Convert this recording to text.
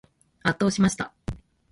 圧倒しました。